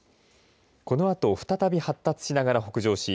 このあと再び発達しながら北上し